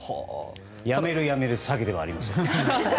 辞める辞める詐欺ではありません。